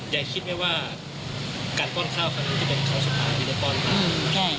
ยายคิดไหมว่าการป้องข้าวคราวนี้ก็เป็นคราวสุดท้ายยายป้องข้าว